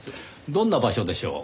どんな場所でしょう？